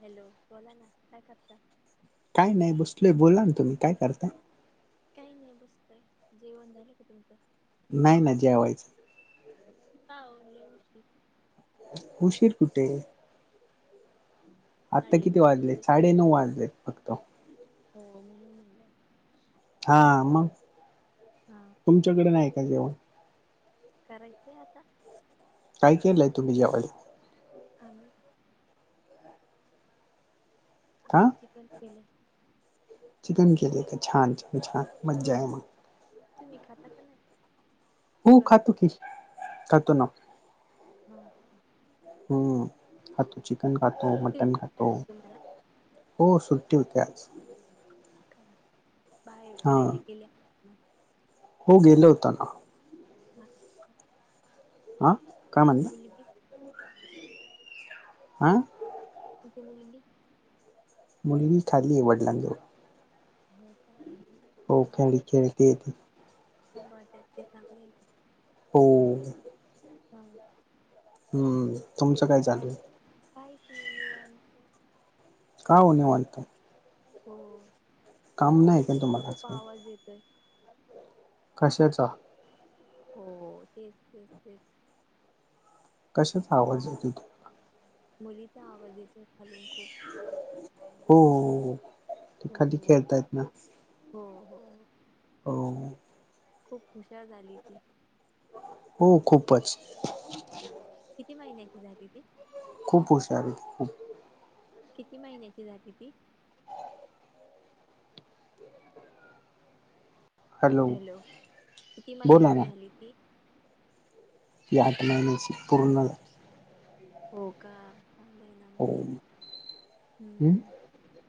Hello, बोला ना काय करता काय नाही बसलोय बोला ना तुम्ही काय करता काही नाही बसतय जेवण झालं का तुमचं नाही ना जेवायच, काहो लय उशीर उशीर कुठे? आता किती वाजले साडे नऊ वाजलेत फक्त हो [unintelligible] हा मग हा तुमच्याकडे नाही का जेवण करायचय आता काय केलंय तुम्ही जेवायल? आणि हा आणि चिकन केले. चिकन केले का छान छान छान मजा य मग तुम्ही खाता का नाय हो खातो की, खातो ना हम हम हम्म खातो चिकन खातो, सुट्टी होती मटन खातो. काय आज तुम्हाला हो सुट्टी होते आज का बाहेर हा फिरयला गेल्या. हो गेलं होता ना, हम् आं त मुलीप [inaudible] आं [unintelligible] मुलगी खाली वडिलांजवळ हो काय हो खाली खेळतीय ती सांभाळत्यात ते चांगले. हो. हा. हम्म. तुमचं काय चालू आहे? हाय की निवांत. का ओ निवांत. हो. काम नाही काय खालून तुम्हाला आज खूप काही? आवाज येतोय कशाचा? हो. तेच तेच तेच. कशाच आवाज येतोय? मुलीचा आवाज येतोय खालून खूप. हो हो हो. ते खाली हम्म खेळतायत ना ह हो हो. हो. खूप हुशार झाली ती. हो खूपच. किती महिन्याची झाली ती? खूप हूशारआहे ती खूप. किती महिन्याची झाली ती? हॅलो. किती बोला महिन्याची ना झाली ती? ती आठ महिन्याची पूर्ण. हो का. चांगलं आहे ना मग. हो. हम्म.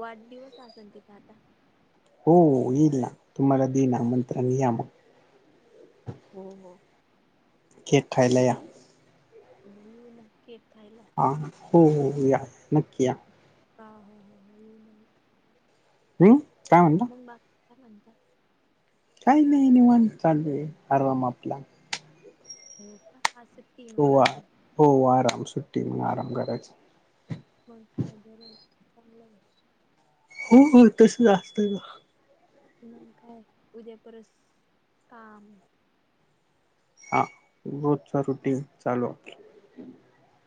वाढदिवस असलं आता तिचा? हो येईल ना. तुम्हाला देणार आमंत्रण या मग. हो हो. केक खायला या. हो नक्की. हा हो हो या नक्की या. हम्म. हा हा हा हा. [unintelligible] हम्म. काय म्हणला मग बाकी काय म्हणता? काही नाही निवांत चालय आराम आपला. हो का अस. हो हो आराम सुट्टी मग आराम करायची. मग काय बर ये, चांगलं ये. हो तस जास्त का? म काय उद्या परस काम. हा रोजचा रुटीन चालू.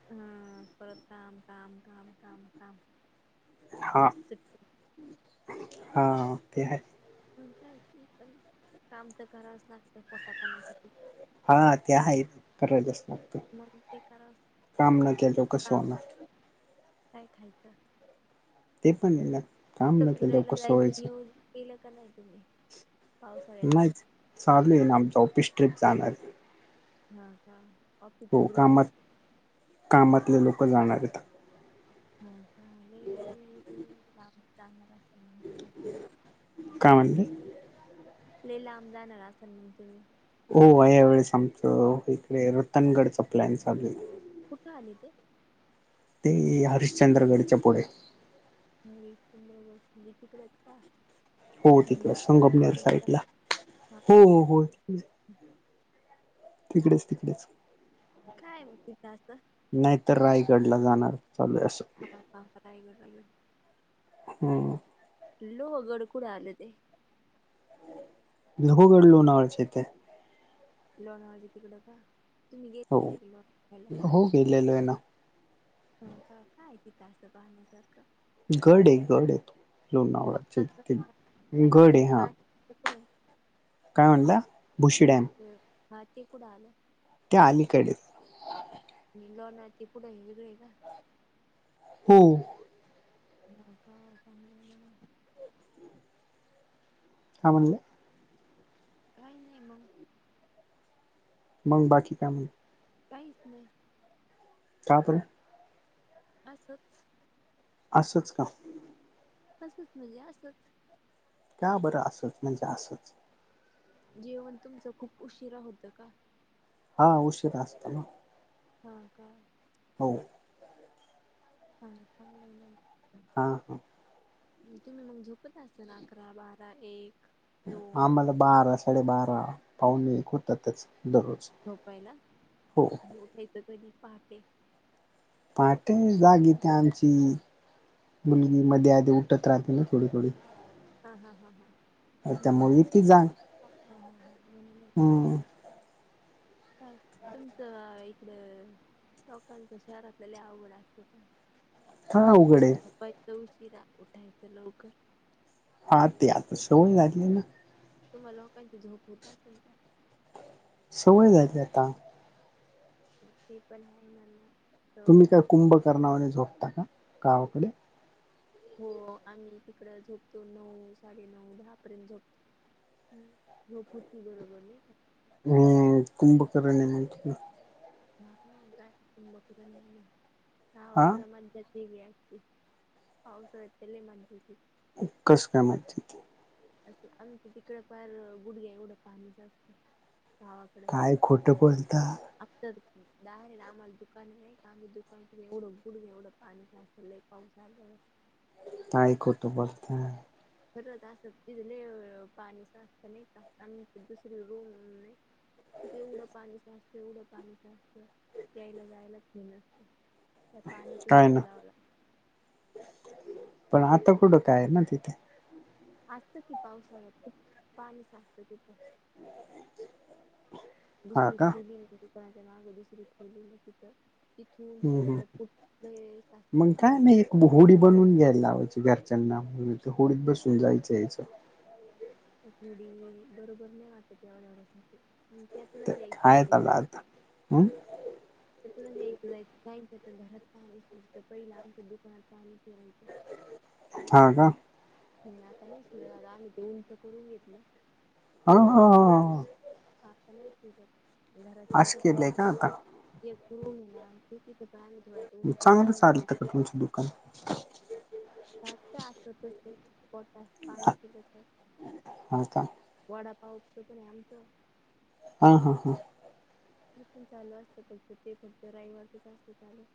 हम परत काम काम काम काम काम. हा रेसिपी. हा ते आहे. प काय पण काम तर करावंच लागतं पोटा पाण्यासाठी. हा त्या आहे करलंस. मंग ते करा न केल्यावर कसं खा. होणार काय खायचं? ते पणलं आता फिरायला जायचं नियोजन केलं का नाही तुम्ही? पावसाळ्यात नाही. चालू आहे ना आमच ऑफिस ट्रीप जाणारय. हा का हो ऑफिसचा ग्रुप झाला कामात कामातले लोक जाणार आता हो का ह म काय म्हणले ल्ये लाम जाणार असल मग तुम्ही हो या वेळेस आमचं इकडे रतनगडचा प्लॅन चालू कुठ आले ते ते हरिश्चंद्रगडच्या पुढे हरी कुंड वगैरे म्हणजे तिकडे आहेत का हो तिकडचं भंडारदऱ्याच्या संगमनेर तिकडेच का साईड ला हा हो हो हा हो तिकडेच तिकडेच काय मग तिथं असं नाहीतर रायगडला जाणार चालू आहे असं हा हा कराय गलो हम्म हॅलो गडकुडे आले ते लहोगड लोणावळचे इथे लोणावाजी तिकडं का तुम्ही हो, गेलेले का लोणावळ्याला हो, गेलेलो आहे ना क काय काय तिथं असंत पाहण्यासारखं गड ये गड ये फक्त लोणावळाचे तिथे गड ये हा कुठाय काय म्हणला भुशी डॅम हा ते कुठं आलं? त्या आलीकडेच लोणावळा ते पुढे आहे वेगळ आहे का हो [unintelligible] काय म्हणले? काही नाही मंग मंग बाकी काय मंग काहीच नाही का पण असचं असचं का? असचं म्हणजे असचं का बरं असं म्हणजे असचं? जेवण तुमचं खूप उशिरा होतं का? हा उशिरा असतं ना हा, का हो. आणि काय म नवीन नवीन हा हा आणि तुम्ही मंग झोपत असाल अकरा, बारा, एक दोन आम्हाला बारा, साडेबारा, पावणे एक होत्यातचं. झोपायला? आणि उठायचं कधी? पहाटे. पहाटे म्हणजे आम्ही ती आमची मुलगी मधी आधी उठत राहते थोडी थोडी हा हा हा हा म्हणून त्यामुळे काय येते जाग आ हा हा हा हा म्हणूनचं [inaudible] हम्म काय तुमचं इकडं. लोकांच्या शहरातल्या लय आवड असत्यातं ना. काय अवघड आहे आमचे पप्पा इतक्या उशीरा उठायचं लवकर. हा ते आणि आता तुमच्या सवय झालीये ना. तुम्हा लोकांची झोप होत असलं का? सवय झाली आता ते ते पण आहे म्हणा. तुम्ही काय कुंभ करणावाने झोपता का गावाकडे? हो आम्ही तिकडं झोपतो नऊ, साडे नऊ, दहा पर्यंत झोपतो. हं झोप होती बरोबर नाही का? हम्म हम्म कुंभकर्ण आहे नाही का तुम्ही अहो असं म्हणताय तुम्ही लोकं तरी होय नाहि, हा गावाकड म्हणत्यात. हि वेळ असती, पावसाळ्यात तर लय मज्जा येती. कु कसं काय माहिती [unintelligible] असं आमच्या तिकडं पार गुडघ्या एवढं पाणी साचतं. गावाकडं काय खोटं बोलता. दार आहे ना आम्हाला दुकान नाही का आम्ही दुकान तर एवढं बुडलं एवढं पाणी साचत लय पाऊस झाल्याव [unintelligible] तयकोठो बोलत. खर असं तिथले पाणीचस्त नाही का दुसर रूम नाही. तिे एवडं पाणीच असतं एवडं पाणीच असतं यायला जायलाच नाही नसत. ज पाने काय ना तुणीिवलावला पण आता कुडं काय ना तिथे आजतं की पावसाळ्यात पाणी साजतं तिथ. हा दुसरी का खोली नतीी काच्या माग दुसरी खोली न तिथं. तिथून हम् ह तिकडं खूप लय साचतं मग पाणी काय ना एक होडी बनून घ्यायला लावयची. घरच्यांना म्हण होडीत बसून जायचं याचं. गडी बरोबर नाही वात तेढण्यासाठी ते खाय त आला आता हम्. ते यायच जायचच तर घरात पाणी शित पहिलं आमच्या दुकानात पाणी फिरायचं. हा का. नाही आता नाही सुर ददा आम्ही ते उंच करून घेतलं. हा हा हा. घरा असं तण केलंय का आता एक रूम आहे ना. पण आम्ही थोडा ते उंच चांगलं करून चाललं घेतलं त का तुमचं दुकान जागत असतच. पोटात पाण्यापूज हा का वडापावपचं पण आमचं. हा हा हा. ते पण चालू असतं फक्त ते फक्त राविवार तेच असत चालू.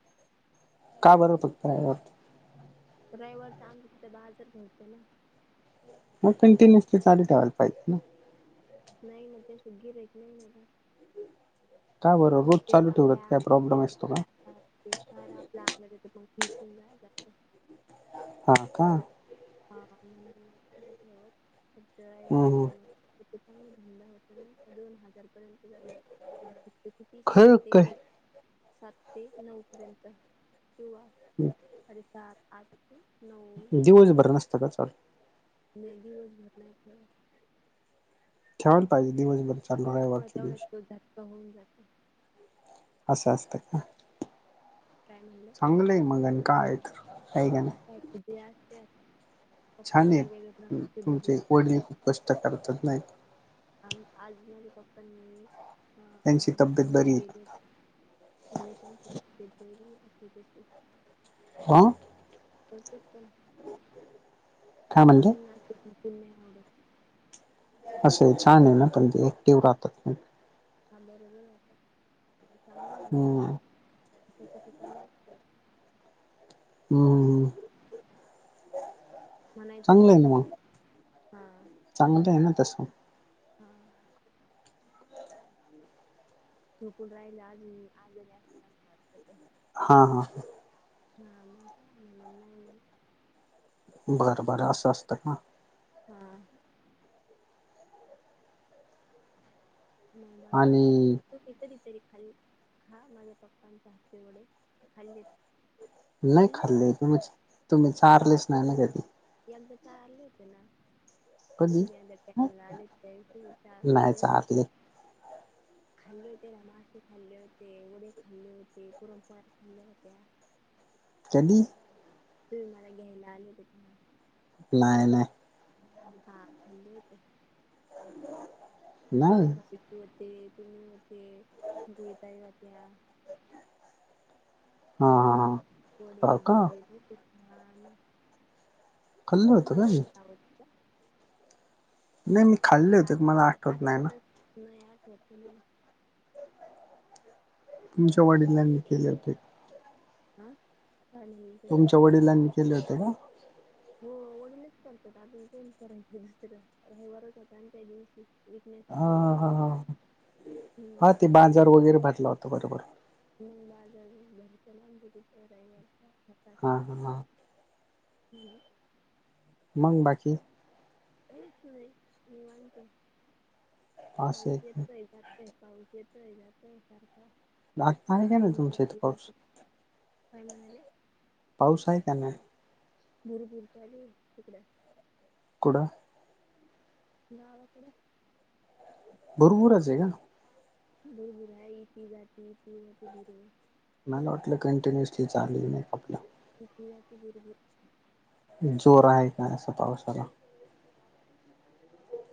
का बरोब फक्त आहे यावरती रयववर च आमलं तिथ बाजार घडतो ना. मग कंटिन्युअसली चालू ठेवायला पाहिजे ना. नाही ना त्यास गिरक नाही मला का बरं मग रोज ते चालू ठेवलात आपल्या काय प्रॉब्लेम असतो का आार आपल्या बकला जात. हा का? हा. हम्म हम्. चांग धंदा होतो ना दोन हजार पर्यंत जातो. फ किती सात खरं ते काय नऊ सात ते नऊ पर्यंत हो साडे सात आठ. नऊ हवा दिवसभर नसत का चाल. [unintelligible] ठेवायला पाहिजे दिवसभर चे एवढ तेवढ तो जात होऊन जात. असं असतं का काय म्हणलं चांगलंय मगन काय तर आहे का नाही [unintelligible] असत्यात. छान आहे तुमचे ढणी करतात. खूप कष्ट करतात नाही. आणि आज माझ्या पप्पांनी त्यांची तब्येत बरी आहे. [unintelligible] [unintelligible] हा. [unintelligible] काय म्हणले [unintelligible] असं छान आहे ना पण ते ऍक्टिव राहतात. हा बरोबर आहेता. चांगली झालेला हम्म त तस चाल असत हम्म [unintelligible] म्हणायचं चांगलं नाही आहे ना तस. मग चांगलं आहे ना तस हा. तूकण राहिला आज आज असणार वाटत. हा हा हा. नाम कांद आहे नाही. बरं बरं झोप- असं असतं का हां. म बाकी कायग आणि तू काही कधीतरी खाल्ली खा माझ्या पप्पांच्या हातते वढ खाल्ली नाही खाल्ली म तुम्ही चारलेच नाही ना कधी. [unintelligible] तुमला कधी आले होते होता नाही खंर. चारले खाल्ले होते रामासेे खाल्ले होते वडेे खाल्ले होते पुरंपरा खाल्ल्या होत्या. [unintelligible] [unintelligible] तुम्ही मला घ्यायला आल ते का. नाहीय नाहीय. हा खलीेत नाही शुभमकी मते ते [unintelligible] [unintelligible] हा हा हा तुम्हाला हो का खाल्लं होतं मी नव्हतं का आवडत्या नाही मी खाल्ले का होते आठ मला आठवत नाही ना. आठवतच [unintelligible] तुमच्या वडिलांनी केले होते. आ. तुमच्या वडिलांनी केले होते का? हो ओडलेच करतात अजून कोण करायचे दुसर रा बरच्या दिवशी हा विकण्यासाठी केले ह होते. हम्म. हा ते बांजार वगैरे भातला होता बरोबर. [unintelligible] हा हा हा. हम्म. मंग बाकी? काहीच नाई निवांतये. असं आवाज आहे येतोय का आता? [unintelligible] पाऊस येतोय जातोय सार [unintelligible] तुमच्या इथ पाऊस रिमझिम काय म्हणाले? पाऊस हाय का नाय? भुरपुर चालूय ईकडं. कड गावाकडं. [unintelligible] का? भरपूरये इती जाती इती जाती भरपूर. मला वाटलं [unintelligible] चालूये मेकपला. [unintelligible] जोर हाय का असं पावसाला?